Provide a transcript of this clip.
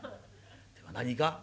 では何か？